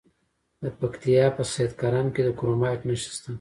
د پکتیا په سید کرم کې د کرومایټ نښې شته.